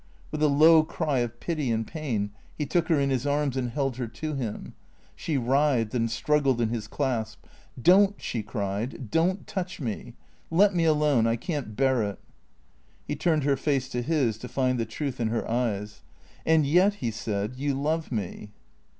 With a low cry of pity and pain he took her in his arms and held her to him. She writhed and struggled in his clasp. "Don't," she cried, " don't touch me. Let me alone. I can't bear it." He turned her face to his to find the truth in her eyes. " And yet," he said, " you love me."